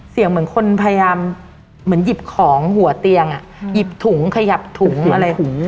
เสียงเหมือนคนพยายามเหมือนหยิบของหัวเตียงอ่ะหยิบถุงขยับถุงอะไร